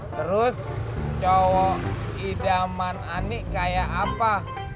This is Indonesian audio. terus cowok idaman ani kayak apa